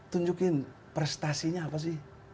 tunjukin prestasinya apa sih